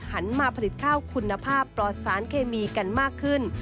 หันมาผลิตข้าวคุณภาพปลอดสารเคมีกันมากขึ้น